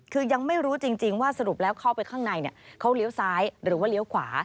คือยังไม่รู้จริงว่าสรุปแล้วเข้าไปข้างในเขาเลี้ยวซ้ายหรือว่าเลี้ยวขวา